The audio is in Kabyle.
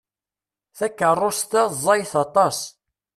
Takeṛṛust-a ẓẓayet aṭas.